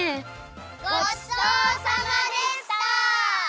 ごちそうさまでした！